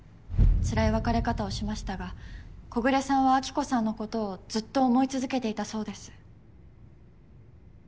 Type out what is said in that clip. つらい別れ方をしましたが木暮さんは暁子さんのことをずっと想い続けていたそうです。